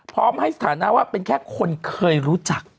พร้อมให้สถานะว่าเป็นแค่คนเคยรู้จัก